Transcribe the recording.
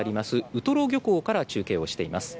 ウトロ漁港から中継をしています。